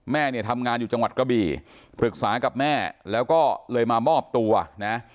แม่เนี่ยทำงานอยู่จังหวัดกระบี่ปรึกษากับแม่แล้วก็เลยมามอบตัวนะ